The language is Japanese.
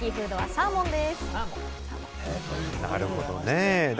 なるほどね。